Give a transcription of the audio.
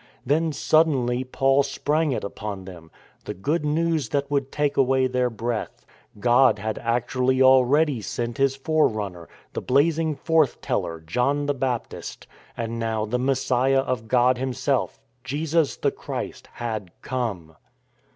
Then suddenly Paul sprang it upon them — the Good News that would take away their breath. God had actually already sent His forerunner, the blazing f orth teller, John the Baptist, and now the Messiah of God Himself — Jesus the Christ — had come!